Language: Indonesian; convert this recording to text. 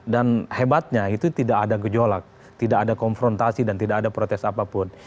dan hebatnya itu tidak ada gejolak tidak ada konfrontasi dan tidak ada protes apapun